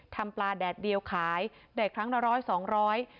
ทำปลาแดดเดียวขายได้ครั้งละร้อยสองร้อย